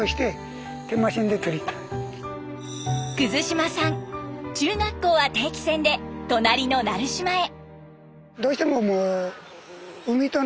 島さん中学校は定期船で隣の奈留島へ。